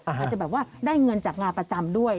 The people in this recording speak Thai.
อาจจะแบบว่าได้เงินจากงานประจำด้วย